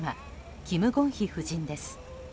キム・ゴンヒ夫人です。